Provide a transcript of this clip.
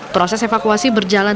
proses evakuasi berjalan